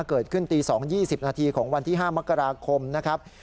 เกิดขึ้นตี๒๒๐นาทีของวันที่๕มกราคมนะครับ